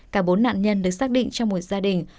cả bốn nạn nhân được xác định trong một gia đình